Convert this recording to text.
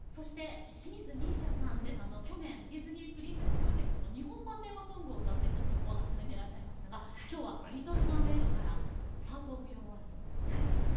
去年ディズニープリンセス・プロジェクトの日本版テーマソングを歌って注目を集めていらっしゃいましたが今日は「リトル・マーメイド」から「パート・オブ・ユア・ワールド」を歌って頂きます。